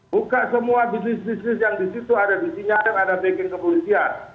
buka semua bisnis bisnis yang ada disitu disinyalir ada bikin kepolisian